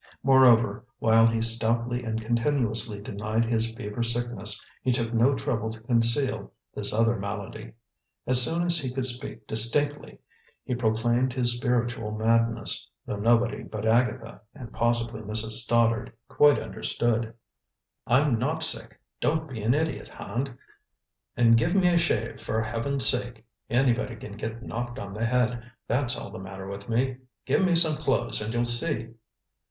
Moreover, while he stoutly and continuously denied his fever sickness, he took no trouble to conceal this other malady. As soon as he could speak distinctly he proclaimed his spiritual madness, though nobody but Agatha, and possibly Mrs. Stoddard, quite understood. "I'm not sick; don't be an idiot, Hand. And give me a shave, for Heaven's sake. Anybody can get knocked on the head that's all the matter with me. Give me some clothes and you'll see."